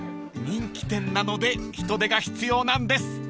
［人気店なので人手が必要なんです！］